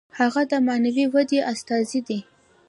هغه د معنوي ودې استازی دی.